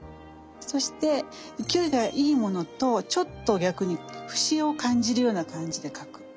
そして勢いがいいものとちょっと逆に節を感じるような感じで描く。